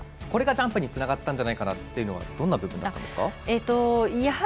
これがジャンプにつながったんじゃないかなというのはどんな部分だったんですか？